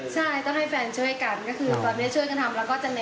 ใช่ต้องให้แฟนช่วยกัน